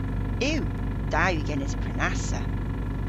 Yw! Da yw genes prenassa.